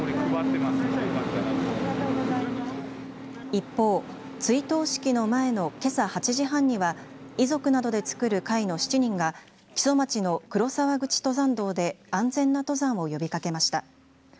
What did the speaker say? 一方、追悼式の前のけさ８時半には遺族などでつくる会の７人が木曽町の黒沢口登山道で安全な登山を呼びかけました。